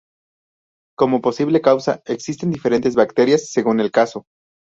Como posible causa existen diferentes bacterias, según el caso.